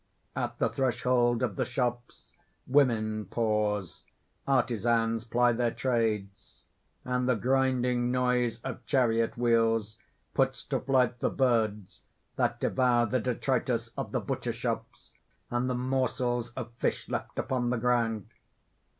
At the thresholds of the shops women pause, artisans ply their trades; and the grinding noise of chariot wheels puts to flight the birds that devour the detritus of the butcher shops and the morsels of fish left upon the ground.